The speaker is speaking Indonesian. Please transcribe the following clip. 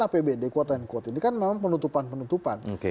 apbd quote on quote ini kan memang penutupan penutupan